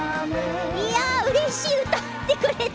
うれしいよ歌ってくれた。